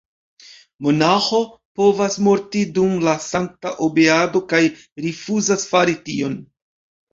Monaĥo povas morti dum la sankta obeado kaj rifuzas fari tion!